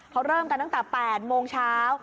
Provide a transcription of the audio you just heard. เขาเริ่มกันตั้งแต่๘โมงเช้า